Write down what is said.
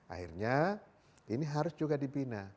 akhirnya ini harus juga dibina